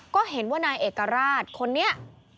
ก็เห็นว่านายเอกราชคนนี้